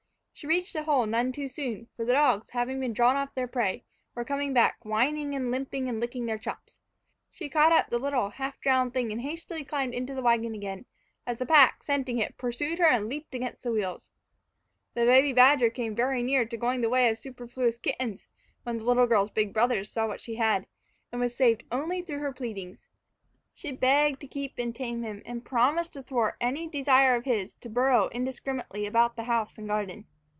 She reached the hole none too soon; for the dogs, having been drawn off their prey, were coming back, whining and limping and licking their chops. She caught up the little, half drowned thing and climbed hastily into the wagon again, as the pack, scenting it, pursued her and leaped against the wheels. The baby badger came very near to going the way of superfluous kittens when the little girl's big brothers saw what she had, and was saved only through her pleading. She begged to keep and tame him, and promised to thwart any desire of his to burrow indiscriminately about the house and garden.